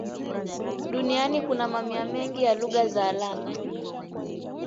Duniani kuna mamia mengi ya lugha za alama.